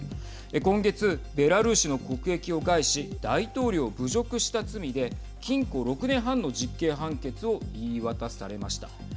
今月、ベラルーシの国益を害し大統領を侮辱した罪で禁錮６年半の実刑判決を言い渡されました。